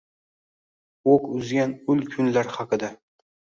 Oʻq uzgan ul kunlar haqida.